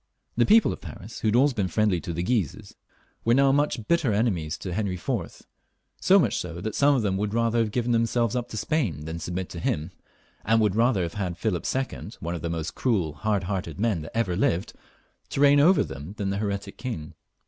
The people of Paris, who had always been Mendly to the Guises, were now such bitter enemies to Henry IV., that some of them would sooner have given themselves up to Spain than submit to him, and would rather have had Philip II., one of the most cruel and hard hearted men that ever lived, to reign over them, than the heretic king.